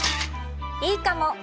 いいかも！